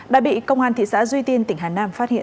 đã bị công an thị xã duy tiên tỉnh hà nam phát hiện